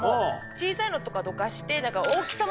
小さいのとかどかして。